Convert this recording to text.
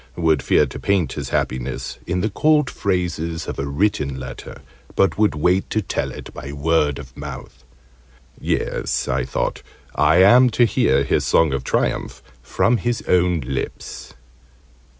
would fear to paint his happiness in the cold phrases of a written letter, but would wait to tell it by word of mouth. "Yes," I thought, "I am to hear his song of triumph from his own lips!"